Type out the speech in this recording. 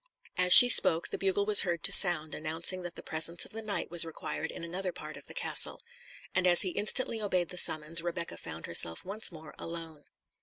As she spoke, the bugle was heard to sound, announcing that the presence of the knight was required in another part of the castle; and as he instantly obeyed the summons, Rebecca found herself once more alone.